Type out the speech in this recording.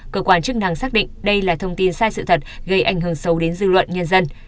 cơ quan chức năng xác định đây là thông tin sai sự thật gây ảnh hưởng sâu đến dư luận nhân dân